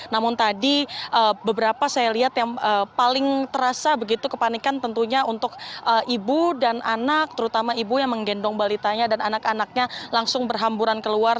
namun tadi beberapa saya lihat yang paling terasa begitu kepanikan tentunya untuk ibu dan anak terutama ibu yang menggendong balitanya dan anak anaknya langsung berhamburan keluar